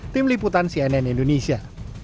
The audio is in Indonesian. tim liputan cnn indonesia